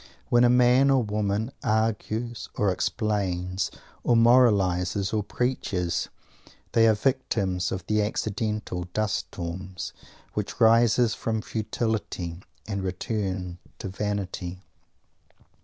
When a man or woman "argues" or "explains" or "moralizes" or "preaches," they are the victims of accidental dust storms, which rise from futility and return to vanity.